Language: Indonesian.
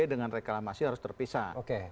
dengan reklamasi harus terpisah